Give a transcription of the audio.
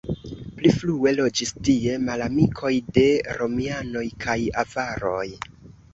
Pli frue loĝis tie malamikoj de romianoj kaj avaroj.